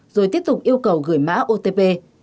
rồi tiếp tục yêu cầu gửi mã otp